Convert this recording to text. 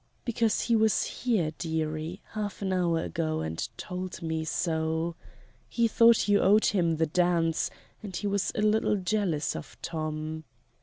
"Because he was here, dearie, half an hour ago and told me so. He thought you owed him the dance, and he was a little jealous of Tom."